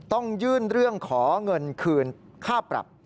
ต้องยื่นเรื่องขอเงินคืนค่าปรับ